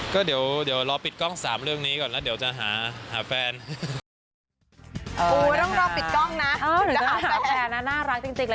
ก็เดี๋ยวรอปิดกล้อง๓เรื่องนี้ก่อนแล้วเดี๋ยวจะหาหาแฟน